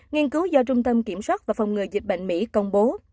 nghiên cứu do trung tâm kiểm soát và phòng ngừa dịch bệnh mỹ công bố